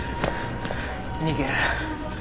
逃げる